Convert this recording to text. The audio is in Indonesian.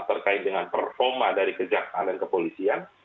terkait dengan performa dari kejaksaan dan kepolisian